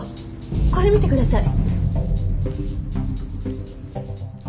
これ見てください。